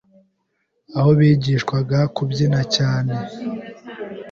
aho bigishwaga kubyina cyane